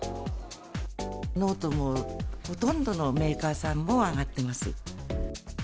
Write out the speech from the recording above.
ノートもほとんどのメーカーさんも、上がっています。